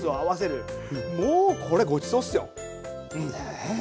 もうこれごちそうっすよ。ね。